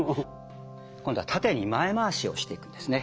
今度は縦に前回しをしていくんですね。